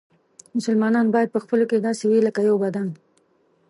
مسلمانان باید په خپلو کې باید داسې وي لکه یو بدن.